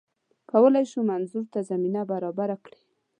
کولای شو منظور ته زمینه برابره کړي